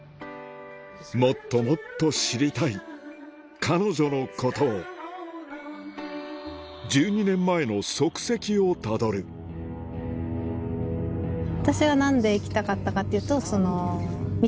もっともっと知りたい彼女のことを１２年前の足跡をたどる私が何で行きたかったかっていうと。